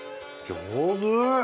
上手！